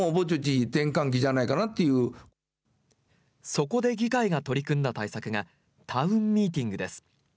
そこで議会が取り組んだ対策がタウンミーティングです。